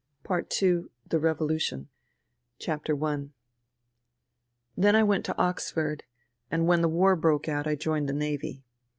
.. PART II THE REVOLUTION THE REVOLUTION THEN I went to Oxford, and when the war broke out I joined the Navy.